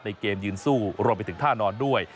เกมยืนสู้รวมไปถึงท่านอนด้วย